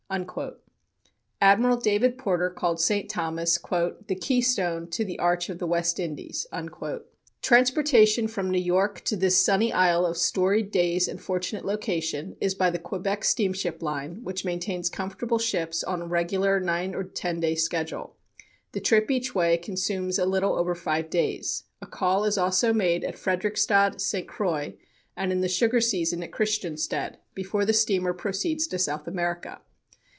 Admiral David Porter called St. Thomas "the keystone to the arch of the West Indies." Transportation from New York to this sunny isle of storied days and fortunate location is by the Quebec Steamship Line, which maintains comfortable ships on regular nine or ten day schedule. The trip each way consumes a little over five days. A call is also made at Frederiksted, St. Croix, (and in the sugar season at Christiansted), before the steamer proceeds to South America.